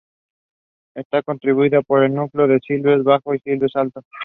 Está constituida por el núcleo de Silves Bajo y el de Silves Alto.